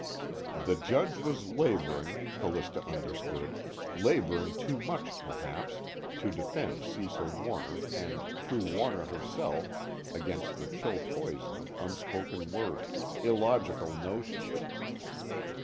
The Judge was laboring, Callista understood, laboring too much perhaps, to defend Cecil Warner and through Warner herself, against the chill poison of unspoken words, illogical notions.